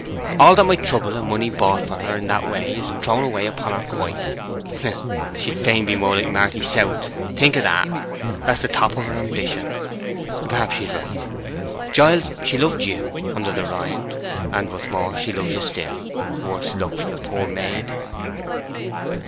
All that my trouble and money bought for her in that way is thrown away upon her quite. She'd fain be like Marty South—think o' that! That's the top of her ambition! Perhaps she's right. Giles, she loved you—under the rind; and, what's more, she loves ye still—worse luck for the poor maid!"